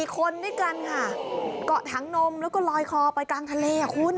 ๔คนด้วยกันค่ะเกาะถังนมแล้วก็ลอยคอไปกลางทะเลคุณ